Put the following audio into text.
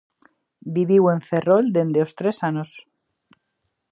Viviu en Ferrol dende os tres anos.